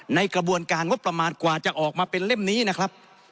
ในกระบวนการงบประมาณกว่าจะออกมาเป็นเล่มนี้นะครับ